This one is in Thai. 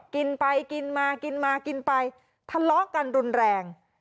กินไปกินมากินมากินไปทะเลาะกันรุนแรง